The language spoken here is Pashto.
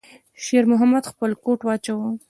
شېرمحمد خپل کوټ واچاوه.